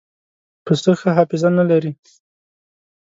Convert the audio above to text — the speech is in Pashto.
پسه ښه حافظه نه لري.